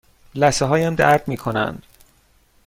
لثه هایم درد می کنند.